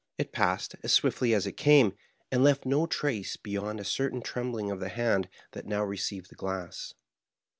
It passed as swiftly as it came, and left no trace beyond a certain trembling of the hand that now received the glass.